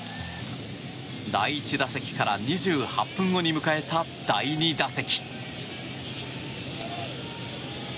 第１打席から２８分後に迎えた第２打席。